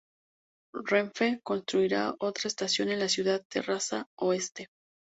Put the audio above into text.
Renfe construirá otra estación en la ciudad: Terrassa Oeste.